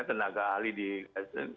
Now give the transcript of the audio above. tenaga ahli di ksp